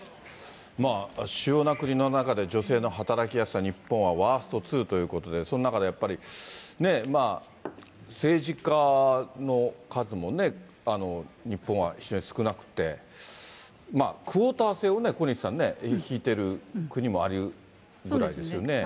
主要な国の中で女性の働きやすさ、日本はワーストツーということで、その中でやっぱり、政治家の数もね、日本は非常に少なくて、クオータ制をね、小西さんね、引いてる国もあるぐらいですよね。